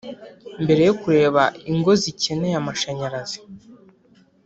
mbere yo kureba ingo zikeneye amashanyarazi.